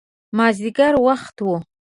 مازدیګر وخت و.